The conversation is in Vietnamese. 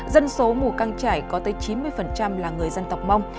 dân số mù căng trải có tới chín mươi là người dân tộc mông